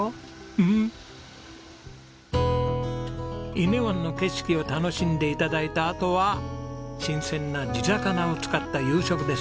伊根湾の景色を楽しんで頂いたあとは新鮮な地魚を使った夕食です。